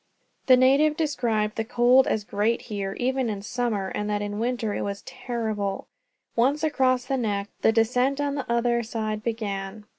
The native described the cold as great here, even in summer, and that in winter it was terrible. Once across the neck, the descent on the other side began.